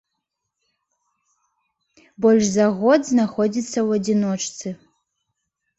Больш за год знаходзіцца ў адзіночцы.